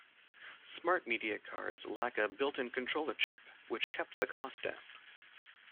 SmartMedia cards lack a built-in controller chip, which kept the cost down.